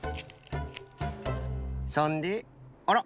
そんであら？